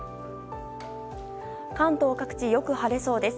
関東各地、よく晴れそうです。